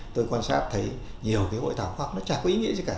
tôi quan sát thấy nhiều hội thảo khoa học chả có ý nghĩa gì cả